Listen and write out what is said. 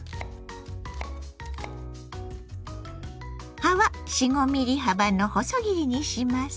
葉は４５ｍｍ幅の細切りにします。